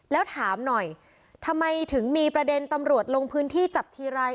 แล้วถามหน่อยทำไมถึงมีประเด็นตำรวจลงพื้นที่จับทีไร